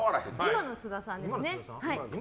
今の津田さんですね。